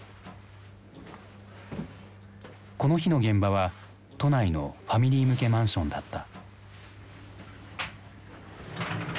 この日の現場は都内のファミリー向けマンションだった。